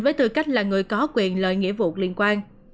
với tư cách là người có quyền lợi nghĩa vụ liên quan